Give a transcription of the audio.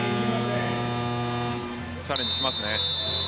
チャレンジしますね。